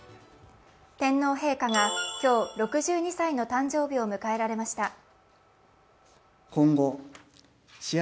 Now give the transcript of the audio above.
天皇陛下が今日、６２歳の誕生日を迎えられました。